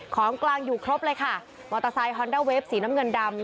ของกลางอยู่ครบเลยค่ะมอเตอร์ไซคอนด้าเวฟสีน้ำเงินดำ